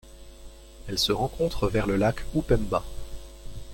Elle se rencontre vers le lac Upemba.